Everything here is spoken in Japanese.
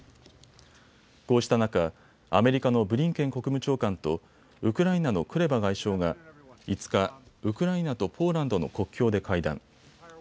こうした中、アメリカのブリンケン国務長官とウクライナのクレバ外相が５日、ウクライナとポーランドの国境で会談。